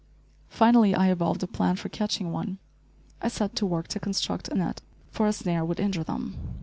Finally I evolved a plan for catching one. I set to work to construct a net, for a snare would injure them.